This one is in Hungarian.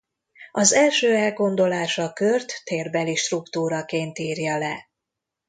Az első elgondolás a kört térbeli struktúraként írja le.